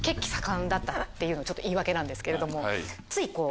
っていうのちょっと言い訳なんですけれども。